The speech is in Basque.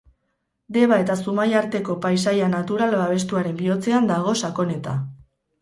Deba eta Zumaia arteko Paisaia Natural Babestuaren bihotzean dago Sakoneta.